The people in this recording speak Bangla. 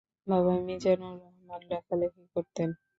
বাবা মিজানুর রহমান লেখালেখি করতেন।